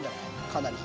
かなり。